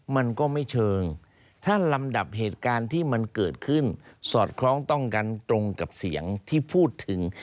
มันก็ไม่เชิงถ้าลำดับเหตุการณ์ที่มันเกิดขึ้นสอดคล้องต้องกันตรงกับเสียงที่พูดถึง